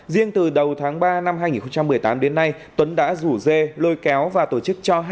riêng từ đầu tháng ba năm hai nghìn một mươi tám đến nay tuấn đã rủ dê lôi kéo và tổ chức cho